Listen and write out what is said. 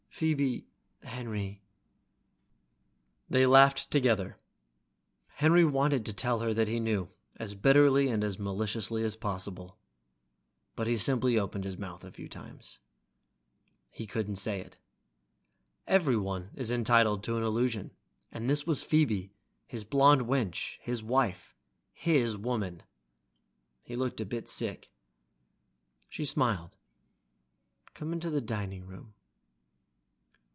"Phoebe ..." "Henry ..." They laughed together. Henry wanted to tell her what he knew as bitterly and maliciously as possible, but he simply opened his mouth a few times. He couldn't say it. Everyone is entitled to an illusion and this was Phoebe, his blonde wench, his wife, his woman. He looked a bit sick. She smiled. "Come into the dining room."